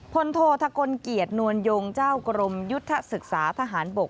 พลโทธกลเกียรตินวลยงเจ้ากรมยุทธศึกษาทหารบก